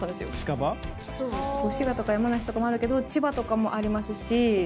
滋賀とか山梨とかもあるけど千葉とかもありますし。